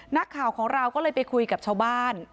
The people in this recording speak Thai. นักข่าวของเราก็เลยไปคุยกับชาวบ้าน